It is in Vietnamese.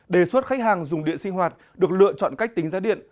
đề xuất khách hàng dùng điện sinh hoạt được lựa chọn cách tính giá điện